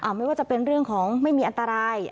ไม่ว่าจะเป็นเรื่องของไม่มีอันตราย